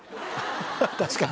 確かに！